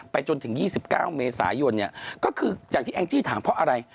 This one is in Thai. จนถึง๒๙เมษายนเนี่ยก็คืออย่างที่แองจี้ถามเพราะอะไร